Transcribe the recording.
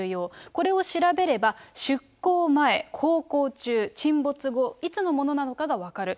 これを調べれば、出港前、航行中、沈没後、いつのものなのかが分かる。